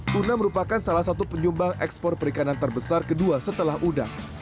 tuna merupakan salah satu penyumbang ekspor perikanan terbesar kedua setelah udang